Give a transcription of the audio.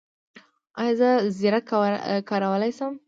ایا زه زیره کارولی شم؟